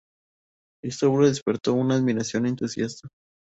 Esta obra despertó una admiración entusiasta.